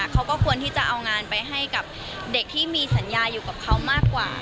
เขาก็ควรที่จะเอางานไปให้กับเด็กที่มีสัญญาอยู่กับเขามากกว่า